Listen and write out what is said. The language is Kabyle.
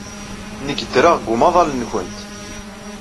Nekk ddreɣ deg umaḍal-nwent.